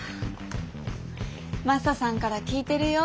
マサさんから聞いてるよ。